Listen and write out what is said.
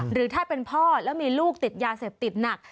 หรือถ้าเป็นพ่อแล้วมีลูกติดยาเสพติดหนัก